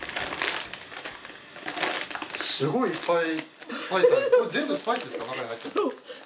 すごいいっぱい。